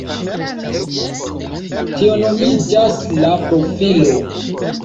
Tio nomiĝas la profilo.